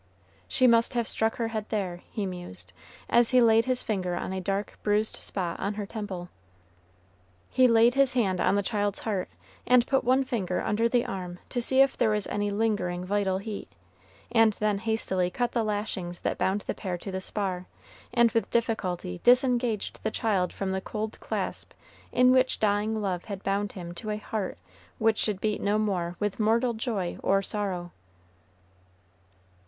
"She must have struck her head there," he mused, as he laid his finger on a dark, bruised spot on her temple. He laid his hand on the child's heart, and put one finger under the arm to see if there was any lingering vital heat, and then hastily cut the lashings that bound the pair to the spar, and with difficulty disengaged the child from the cold clasp in which dying love had bound him to a heart which should beat no more with mortal joy or sorrow.